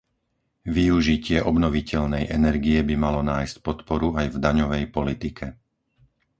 Využitie obnoviteľnej energie by malo nájsť podporu aj v daňovej politike.